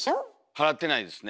払ってないですね。